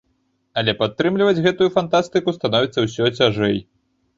Але падтрымліваць гэтую фантастыку становіцца ўсё цяжэй.